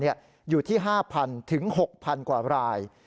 อยู่ที่๕๐๐๖๐๐กว่าราย